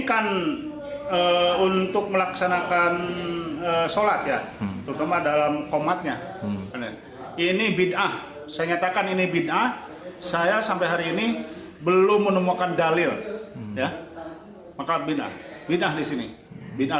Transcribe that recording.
ada semacam seruan radikal disana